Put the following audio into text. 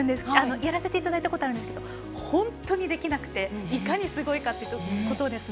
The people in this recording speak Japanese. やらせていただいたことがあるんですが本当にできなくていかにすごいかということですね。